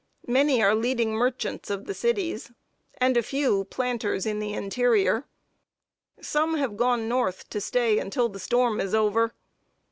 Many are leading merchants of the cities, and a few, planters in the interior. Some have gone north to stay until the storm is over.